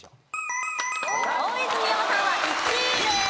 大泉洋さんは１位です。